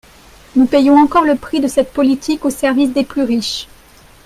Nous payons encore le prix de cette politique au service des plus riches.